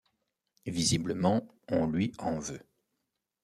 Visiblement, on lui en veut.